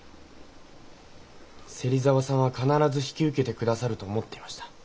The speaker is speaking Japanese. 芹沢さんは必ず引き受けて下さると思っていました。